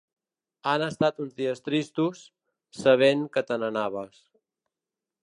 Han estat uns dies tristos, sabent que te n’anaves.